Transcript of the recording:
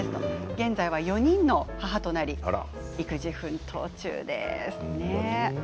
現在は４人の母となり育児奮闘中です。